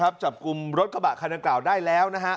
ครับจับกลุ่มรถกระบะคะแนนกล่าวได้แล้วนะฮะ